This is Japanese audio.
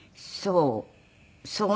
そう。